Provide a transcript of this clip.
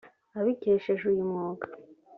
abikesheje uyu mwuga